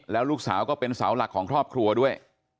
แล้วลูกสาวก็เป็นเสาหลักของครอบครัวด้วย